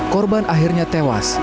korban akhirnya tewas